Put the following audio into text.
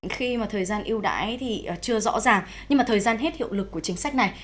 khi mà thời gian ưu đãi thì chưa rõ ràng nhưng mà thời gian hết hiệu lực của chính sách này